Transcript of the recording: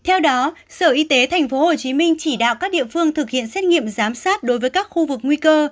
theo đó sở y tế tp hcm chỉ đạo các địa phương thực hiện xét nghiệm giám sát đối với các khu vực nguy cơ